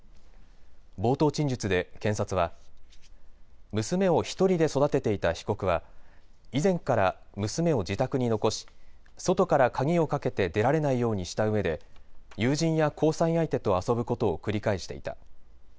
冒頭陳述で検察は娘を１人で育てていた被告は以前から娘を自宅に残し外から鍵をかけて出られないようにしたうえで友人や交際相手と遊ぶことを繰り返していた。